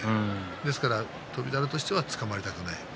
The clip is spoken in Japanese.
ですから翔猿としてはつかまりたくない。